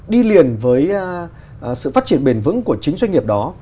đi liền với sự phát triển bền vững của chính doanh nghiệp đó